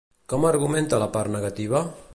Com argumenta la part negativa?